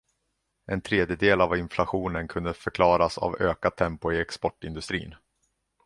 En tredjedel av inflationen kunde förklaras av ökat tempo i exportindustrin.